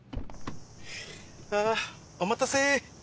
あお待たせ。